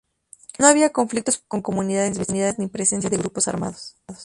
No había conflictos con comunidades vecinas ni presencia de grupos armados.